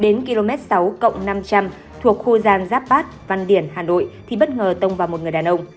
đến km sáu năm trăm linh thuộc khu giang giáp bát văn điển hà nội thì bất ngờ tông vào một người đàn ông